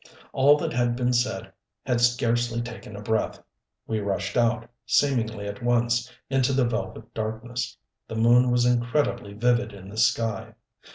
All that had been said had scarcely taken a breath. We rushed out, seemingly at once, into the velvet darkness. The moon was incredibly vivid in the sky.